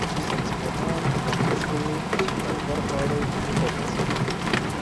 ساینسپوهان وړاندیز کوي چې فایبر خواړه وخوړل شي.